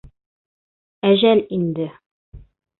— Әжәл инде.